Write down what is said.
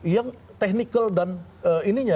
yang technical dan ininya